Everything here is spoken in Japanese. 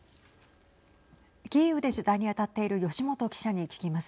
キーウで取材に当たっている吉元記者に聞きます。